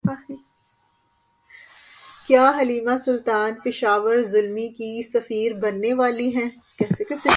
کیا Halime Sultan Peshawar Zalmi کی سفیر بننے والی ہیں